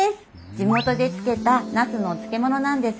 地元で漬けたナスのお漬物なんです。